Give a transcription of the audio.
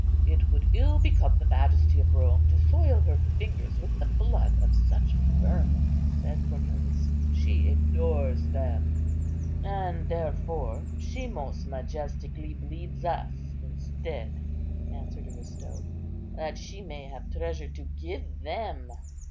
"It would ill become the majesty of Rome to soil her fingers with the blood of such vermin," said Cornelius; "she ignores them." "And therefore she most majestically bleeds us instead," answered Aristo, "that she may have treasure to give them.